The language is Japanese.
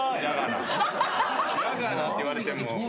「やがな」って言われても。